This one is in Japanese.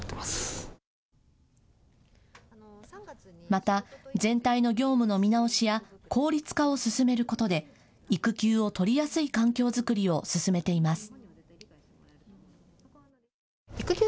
また全体の業務の見直しや効率化を進めることで育休を取りやすい環境作りを進めています。